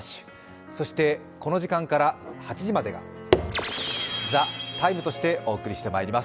そして、この時間から８時までが「ＴＨＥＴＩＭＥ，」としてお送りしてまいります。